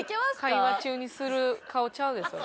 会話中にする顔ちゃうでそれ。